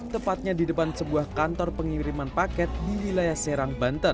tepatnya di depan sebuah kantor pengiriman paket di wilayah serang banten